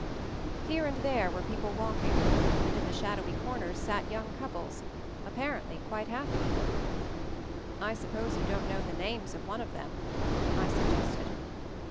Here and there were people walking ; and in the shadowy corners sat young couples, apparently quite happy. "I suppose you don't know the names of one of them," I suggested.